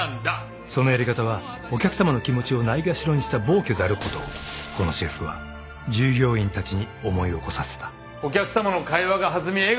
［そのやり方はお客さまの気持ちをないがしろにした暴挙であることをこのシェフは従業員たちに思い起こさせた］お客さまの会話が弾み笑顔になる。